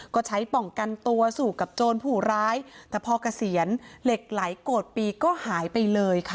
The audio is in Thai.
ก็ใช้ป้องกันตัวสู่กับโจรผู้ร้ายแต่พอเกษียณเหล็กไหลโกรธปีก็หายไปเลยค่ะ